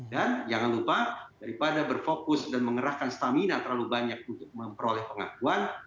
dan jangan lupa daripada berfokus dan mengerahkan stamina terlalu banyak untuk memperoleh pengakuan